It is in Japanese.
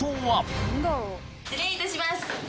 失礼いたします！